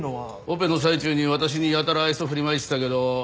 オペの最中に私にやたら愛想振りまいてたけど。